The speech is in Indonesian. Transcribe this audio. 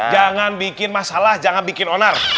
jangan bikin masalah jangan bikin onar